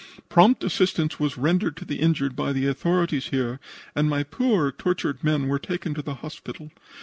Prompt assistance was rendered to the injured by the authorities here and my poor, tortured men were taken to the hospital.